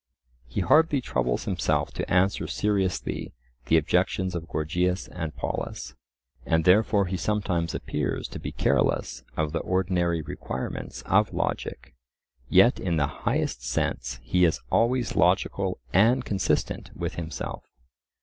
He hardly troubles himself to answer seriously the objections of Gorgias and Polus, and therefore he sometimes appears to be careless of the ordinary requirements of logic. Yet in the highest sense he is always logical and consistent with himself.